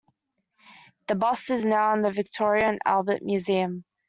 The bust is now in the Victoria and Albert Museum.